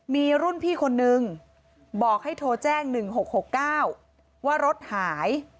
มีรุ่นพี่คนนึงบอกให้โทรแจ้ง๑๖๖๙ว่ารถหาย